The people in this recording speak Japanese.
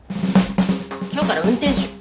今日から運転手。